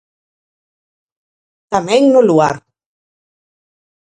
Tamén no 'Luar'.